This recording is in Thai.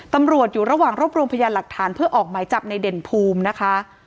ตำรวจอยู่ระหว่างรวบรวมพยานหลักฐานเพื่อออกหมายจับในเด่นภูมินะคะ